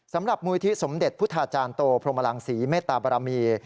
สำหรับมูลทิศสมเด็จพุทธาจารย์โตพรหมลังศรีเมตตาบรมีย์